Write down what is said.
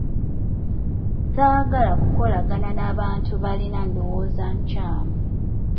Ssaagala kukolagana na bantu balina ndowooza nkyamu.